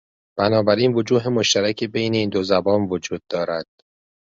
بنابراین وجوه مشترکی بین این دو زبان وجود دارد